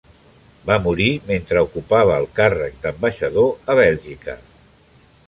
Va morir mentre ocupava el càrrec d'ambaixador a Bèlgica.